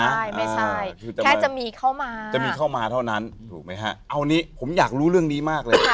ใช่ไม่ใช่แค่จะมีเข้ามาจะมีเข้ามาเท่านั้นถูกไหมฮะเอานี้ผมอยากรู้เรื่องนี้มากเลย